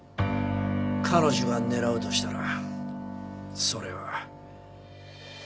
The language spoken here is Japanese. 彼女が狙うとしたらそれは。